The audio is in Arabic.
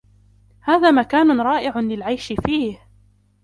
هذا مكان رائع للعيش فيه.